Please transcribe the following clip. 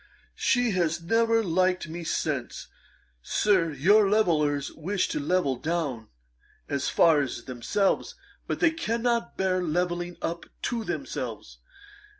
She has never liked me since. Sir, your levellers wish to level down as far as themselves; but they cannot bear levelling up to themselves.